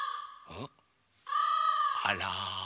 あら。